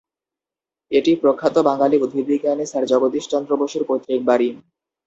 এটি প্রখ্যাত বাঙালি উদ্ভিদবিজ্ঞানী স্যার জগদীশ চন্দ্র বসুর পৈতৃক বাড়ি।